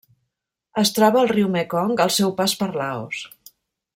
Es troba al riu Mekong al seu pas per Laos.